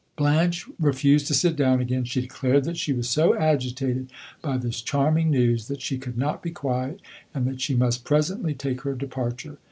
Blanche refused to sit down again; she declared that she was so agitated by this charming news that she could not be quiet, and that she must presently take her departure.